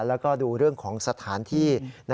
แล้วก็ดูเรื่องของสถานที่